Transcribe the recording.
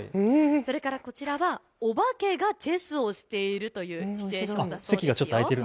それからこちらはお化けがチェスをしているというシチュエーションだそうですよ。